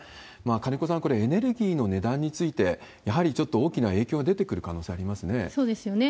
金子さん、これ、エネルギーの値段について、やはりちょっと大きな影響が出てくる可能性ありますね。